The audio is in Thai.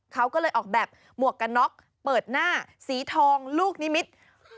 เขาก็เลยออกแบบหมวกกันน็อกเปิดหน้าสีทองลูกนิมิตร